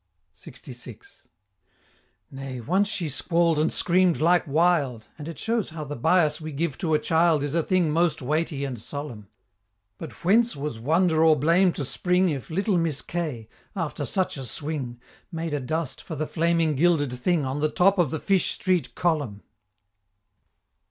LXVI. Nay, once she squall'd and scream'd like wild And it shows how the bias we give to a child Is a thing most weighty and solemn: But whence was wonder or blame to spring If little Miss K., after such a swing Made a dust for the flaming gilded thing On the top of the Fish Street column?